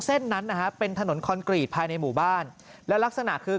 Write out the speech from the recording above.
เส้นนั้นนะฮะเป็นถนนคอนกรีตภายในหมู่บ้านและลักษณะคือ